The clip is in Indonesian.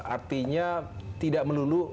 artinya tidak melulu